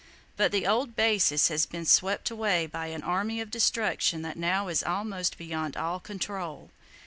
But the old basis has been swept away by an Army of Destruction that now is almost beyond all control.